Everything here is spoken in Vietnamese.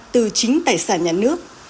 từ chính tài sản nhà nước